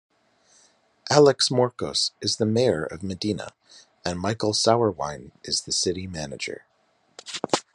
Alex Morcos is the mayor of Medina and Michael Sauerwein is the City Manager.